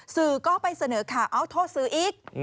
สื่อก็ไปเสนอข่าวเอาโทษสื่ออีก